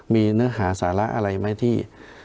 มีเนื้อหาสาระอะไรไหมที่